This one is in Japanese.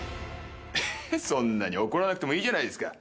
そんなに怒らなくてもいいじゃないですか。